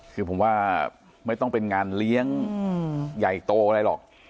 คือผมว่าไม่ต้องเป็นงานเลี้ยงใหญ่โตอะไรหรอก